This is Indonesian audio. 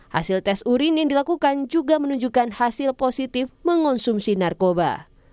hasil tes urin yang dilakukan juga menunjukkan hasil positif mengonsumsi narkoba